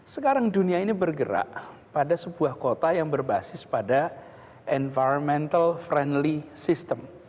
sekarang dunia ini bergerak pada sebuah kota yang berbasis pada environmental friendly system